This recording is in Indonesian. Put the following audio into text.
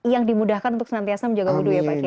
yang dimudahkan untuk senantiasa menjaga wudhu ya pak kiai